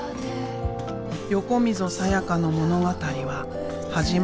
横溝さやかの物語は始まったばかり。